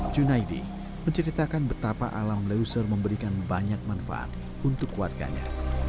junaidi menceritakan betapa alam leuser memberikan banyak manfaat untuk warganya